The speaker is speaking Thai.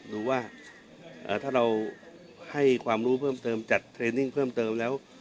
ดูว่าถ้าเราให้ความรู้เพิ่มเติมจัดเทรนนิ่งเพิ่มเติมแล้ว